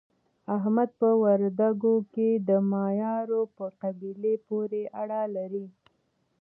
احمد په وردګو کې د مایارو په قبیله پورې اړه لري.